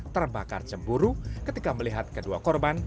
terbakar cemburu ketika melihat kedua korban